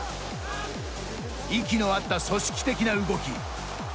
息の合った組織的な動き。